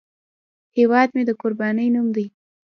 هیواد مې د قربانۍ نوم دی